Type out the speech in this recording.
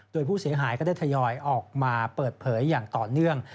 โดยผู้เสียหายก็ได้ทยอยออกมาเปิดเผยอย่างต่อเนื่อง